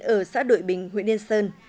ở xã đội bình huyện yên sơn